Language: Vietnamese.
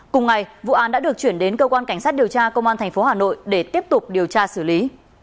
cùng ngày vụ án đã được chuyển đến cơ quan cảnh sát điều tra công an tp hà nội để tiếp tục điều tra xử lý